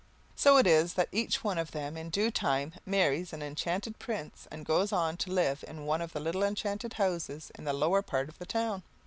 So it is that each one of them in due time marries an enchanted prince and goes to live in one of the little enchanted houses in the lower part of the town.